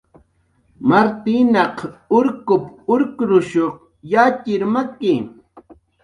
"Martinaq urkup"" urkrushu yatxir maki"